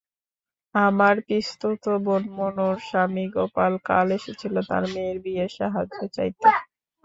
আমার পিসতুত বোন মুনুর স্বামী গোপাল কাল এসেছিল তার মেয়ের বিয়ের সাহায্য চাইতে।